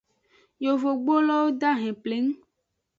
Yovogbulowo dahen pleng.